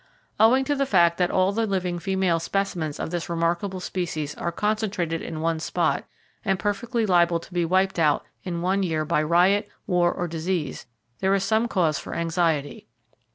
Owing to the fact that all the living female specimens of this remarkable species are concentrated in one spot, and perfectly liable to be wiped out in one year by riot, war or disease, there is some cause for anxiety.